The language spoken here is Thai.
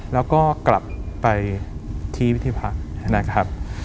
แล้วก็กลับไปที่วิธีพักนะครับ